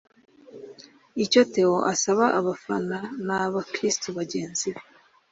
Icyo Theo asaba abafana n’abakristu bagenzi be